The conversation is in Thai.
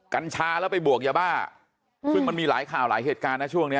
กัญชาแล้วไปบวกยาบ้าซึ่งมันมีหลายข่าวหลายเหตุการณ์นะช่วงนี้